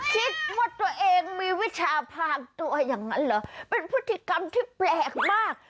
คิดว่าตัวเองมีวิชาพากตัวอย่างนั้นเหรอเป็นพฤติกรรมที่แปลกมาก